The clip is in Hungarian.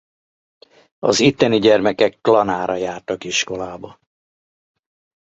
Az itteni gyermekek Klanára jártak iskolába.